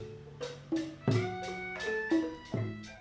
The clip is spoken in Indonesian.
pembinaan pembinaan yang diperlukan untuk menciptakan budaya betawi